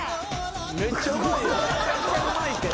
めっちゃうまいやん。